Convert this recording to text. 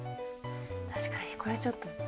確かにこれちょっと。